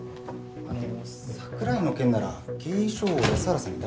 あの櫻井の件なら経緯書を安原さんに出してますけど。